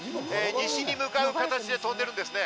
西に向かう形で飛んでいるんですね。